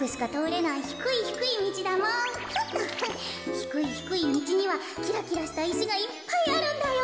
ひくいひくいみちにはきらきらしたいしがいっぱいあるんだよ。